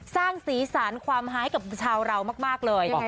สร้างสีสันความหายกับชาวเรามากเลย